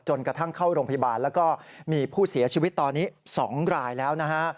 กระทั่งเข้าโรงพยาบาลแล้วก็มีผู้เสียชีวิตตอนนี้๒รายแล้วนะฮะ